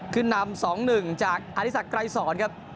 ขึ้นนำ๒๑จากอธิสักไกรสอนครับ